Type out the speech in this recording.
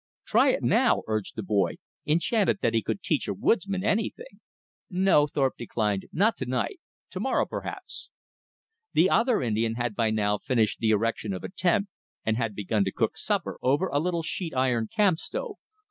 "Try it now!" urged the boy, enchanted that he could teach a woodsman anything. "No," Thorpe declined, "not to night, to morrow perhaps." The other Indian had by now finished the erection of a tent, and had begun to cook supper over a little sheet iron camp stove.